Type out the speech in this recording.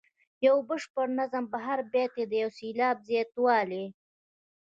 د یو بشپړ نظم په هر بیت کې د یو سېلاب زیاتوالی.